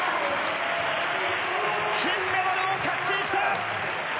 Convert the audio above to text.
金メダルを確信した！